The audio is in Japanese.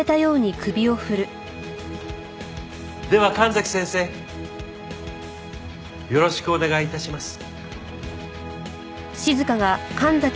では神崎先生よろしくお願い致します。